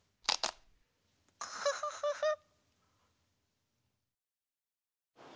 クフフフフ。